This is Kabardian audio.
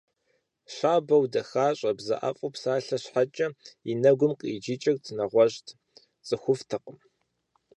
Щабэу дахащӏэ, бзэӏэфӏу псалъэ щхьэкӏэ и нэгум къриджыкӏыр нэгъуэщӏт – цӏыхуфӏтэкъым.